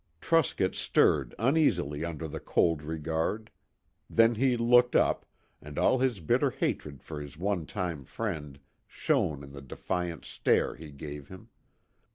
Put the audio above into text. Truscott stirred uneasily under the cold regard. Then he looked up, and all his bitter hatred for his one time friend shone in the defiant stare he gave him.